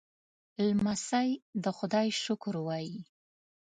لمسی د خدای شکر وايي.